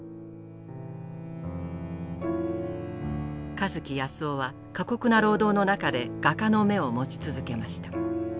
香月泰男は過酷な労働の中で画家の目を持ち続けました。